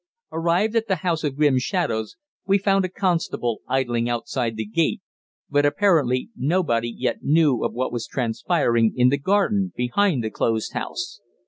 Arrived at the house of grim shadows, we found a constable idling outside the gate, but apparently nobody yet knew of what was transpiring in the garden behind the closed house.